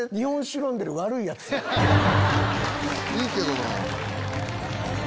いいけどなぁ。